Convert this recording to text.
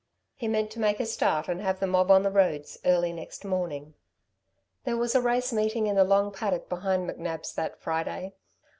He meant to make a start and have the mob on the roads early next morning. There was a race meeting in the long paddock behind McNab's that Friday.